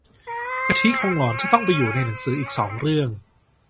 กะทิคงหลอนถ้าต้องไปอยู่ในหนังอีกสองเรื่อง